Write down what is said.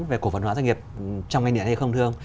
về cổ phần hóa doanh nghiệp trong ngành điện hay không thương